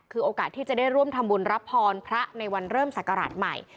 คือโอกาสที่จะได้ร่วมทำบุญรับพรพระในวันเริ่มศักราชใหม่